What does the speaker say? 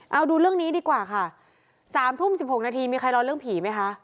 เอาดูเรื่องนี้ดีกว่าค่ะ๓ทุ่ม๑๖นาทีมีใครรอเรื่องผีไหมคะ